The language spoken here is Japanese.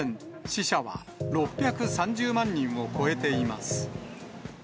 死者は６３０万人を超えています。